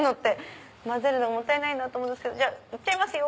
混ぜるのもったいないと思うけどじゃあ行っちゃいますよ！